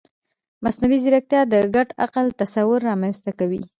مصنوعي ځیرکتیا د ګډ عقل تصور رامنځته کوي.